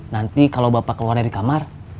nanti kalau bapak keluar dari kamar